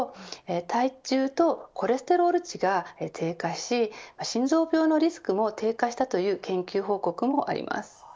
体重とコレステロール値が低下し心臓病のリスクも低下したという研究報告もあります。